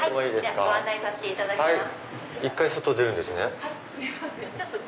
ご案内させていただきます。